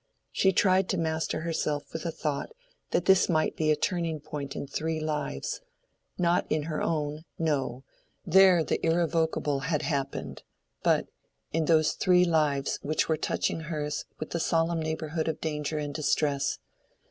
She tried to master herself with the thought that this might be a turning point in three lives—not in her own; no, there the irrevocable had happened, but—in those three lives which were touching hers with the solemn neighborhood of danger and distress.